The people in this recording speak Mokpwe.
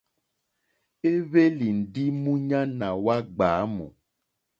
Ì hwélì ndí múɲáná wá ɡbwǎmù.